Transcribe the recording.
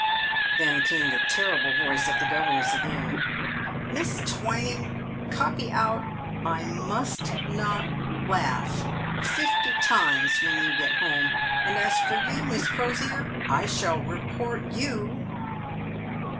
Then came the terrible voice of the governess again, "Miss Twining, copy out ' I must not laugh,' fifty times, when you get home, and as for you, Miss Crosier, I shall report you."